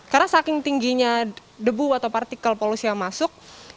karena saking tingginya debu atau partikel polusi yang masuk